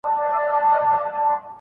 د ژبي تېغ دي له شیخانو سره ښه جوړیږي.